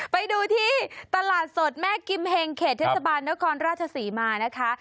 ไปดูที่ตลาดสดแม่กิมเฮงเขตเทศบาลนครราชศรีมานะคะ